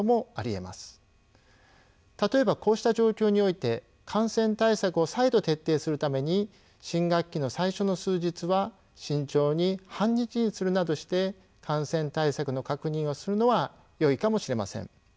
例えばこうした状況において感染対策を再度徹底するために新学期の最初の数日は慎重に半日にするなどして感染対策の確認をするのはよいかもしれません。